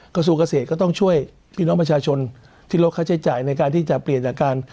กระทรวงเกษตรก็ต้องช่วยพี่น้องประชาชนที่ลดค่าใช้จ่ายในการที่จะเปลี่ยนจากการ